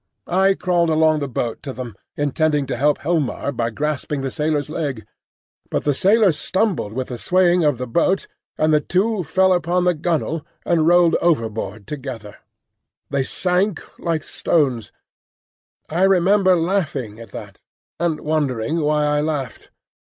I crawled along the boat to them, intending to help Helmar by grasping the sailor's leg; but the sailor stumbled with the swaying of the boat, and the two fell upon the gunwale and rolled overboard together. They sank like stones. I remember laughing at that, and wondering why I laughed.